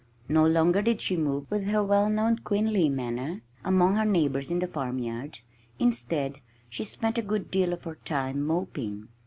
No longer did she move with her well known queenly manner among her neighbors in the farmyard. Instead, she spent a good deal of her time moping.